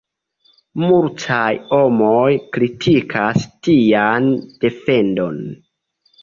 Multaj homoj kritikas tian defendon.